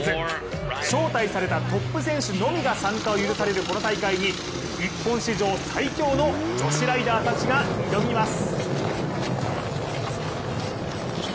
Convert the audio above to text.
招待されたトップ選手のみが参加を許されるこの大会に日本史上最強の女子ライダーたちが挑みます。